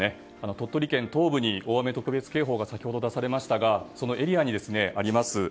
鳥取県東部に大雨特別警報が先ほど出されましたがそのエリアにあります